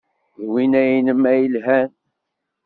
D winna-nnem ay yelhan.